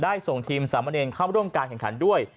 ส่งทีมสามเนรเข้าร่วมการแข่งขันด้วย